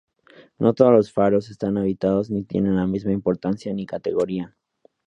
No todos los faros están habitados ni tienen la misma importancia ni categoría.